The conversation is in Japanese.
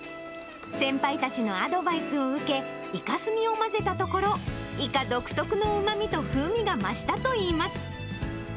先輩たちのアドバイスを受け、イカスミを混ぜたところ、イカ独特のうまみと風味が増したといいます。